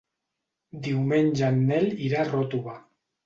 Diumenge en Nel irà a Ròtova.